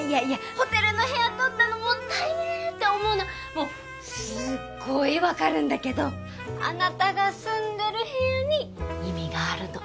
ホテルの部屋取ったのもったいねって思うのはもうすっごいわかるんだけどあなたが住んでる部屋に意味があるの。